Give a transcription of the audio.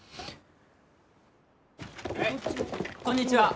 こんにちは！